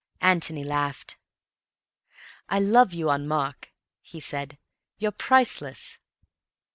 Antony laughed. "I love you on Mark," he said. "You're priceless."